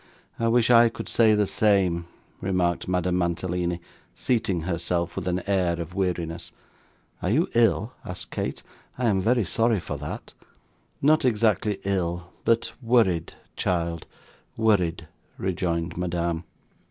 'I wish I could say the same,' remarked Madame Mantalini, seating herself with an air of weariness. 'Are you ill?' asked Kate. 'I am very sorry for that.' 'Not exactly ill, but worried, child worried,' rejoined Madame.